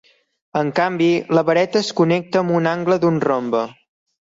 En canvi, la vareta es connecta amb un angle d'un rombe.